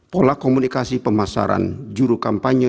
pola komunikasi pemasaran juru kampanye